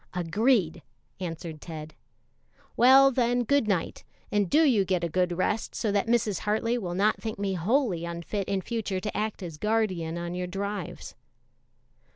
"Agreed," answered Ted. "Well, then, good night, and do you get a good rest, so that Mrs. Hartley will not think me wholly unfit in future to act as guardian on your drives."